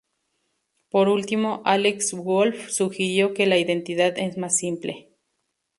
Por último Alex Woolf sugirió que la identidad es más simple.